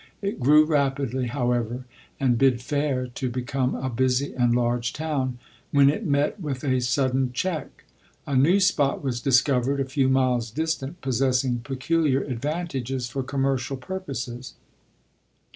It grew rapidly, however, and bid fair to become a busy and large town, when it met with a sudden check. A new spot was discovered, a few mil. distant, possessing peculiar advantages for com mercial purposes.